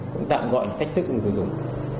cũng tạm gọi là cách thức người tiêu dùng